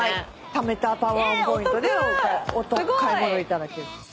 ためたＷＡＯＮポイントで買い物いただける。